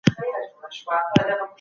ښوونکی زدهکوونکي د کتاب لوستلو ته هڅوي.